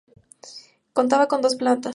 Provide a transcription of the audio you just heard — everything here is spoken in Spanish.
Contaba con dos plantas.